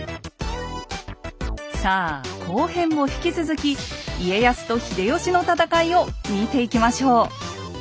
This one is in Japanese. さあ後編も引き続き家康と秀吉の戦いを見ていきましょう！